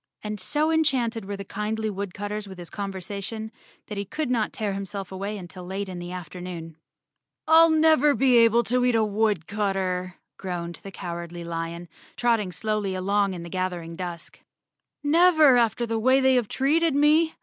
And so enchanted were the kindly woodcutters with his conversation that he could not tear himself away until late in the afternoon. 113 The Featherheads of Un — Chapter 10 The Cowardly Lion of Oz _ "I'll never be able to eat a woodcutter," groaned the Cowardly Lion, trotting slowly along in the gathering dusk. "Never after the way they have treated me.